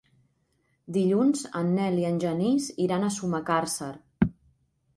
Dilluns en Nel i en Genís iran a Sumacàrcer.